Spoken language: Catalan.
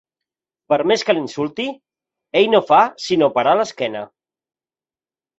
Per més que l'insulti, ell no fa sinó parar l'esquena.